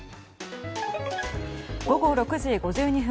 午後６時５２分。